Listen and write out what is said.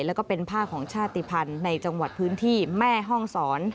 แล้วก็เป็นผ้าของชาติภัณฑ์ในจังหวัดพื้นที่แม่ห้องศร